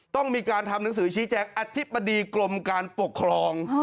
ต้องมีการทำหนังสือชี้แจงอธิบดีกรมการปกครอง